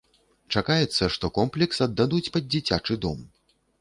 Чакаецца, што комплекс аддадуць пад дзіцячы дом.